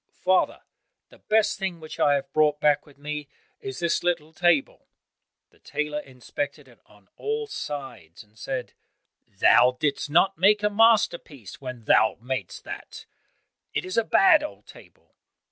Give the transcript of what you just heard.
"Father, the best thing which I have brought back with me is this little table." The tailor inspected it on all sides and said, "Thou didst not make a masterpiece when thou mad'st that; it is a bad old table."